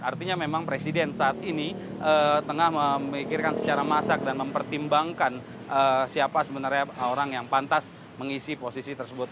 artinya memang presiden saat ini tengah memikirkan secara masak dan mempertimbangkan siapa sebenarnya orang yang pantas mengisi posisi tersebut